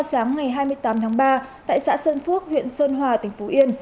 sáng ngày hai mươi tám tháng ba tại xã sơn phước huyện sơn hòa tỉnh phú yên